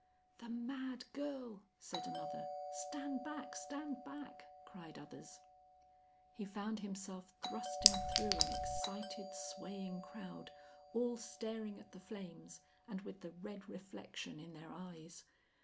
"The mad girl!" said another. "Stand back! Stand back!" cried others. He found himself thrusting through an excited, swaying crowd, all staring at the flames, and with the red reflection in their eyes.